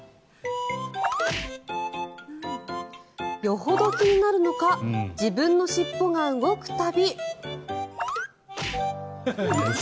よほど気になるのか自分の尻尾が動く度。